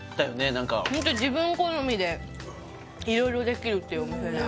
何かホント自分好みで色々できるっていうお店です